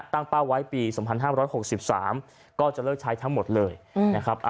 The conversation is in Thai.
เป้าไว้ปี๒๕๖๓ก็จะเลิกใช้ทั้งหมดเลยนะครับ